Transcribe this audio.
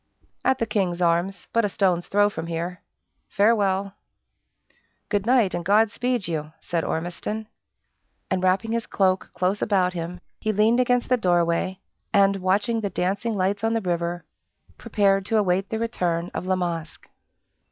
"At the King's Arms but a stones throw from here. Farewell." "Good night, and God speed you!" said Ormiston. And wrapping his cloak close about him, he leaned against the doorway, and, watching the dancing lights on the river, prepared to await the return of La Masque.